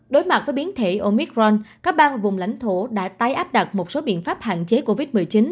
đối mặt với biến thể omicron các bang vùng lãnh thổ đã tái áp đặt một số biện pháp hạn chế covid một mươi chín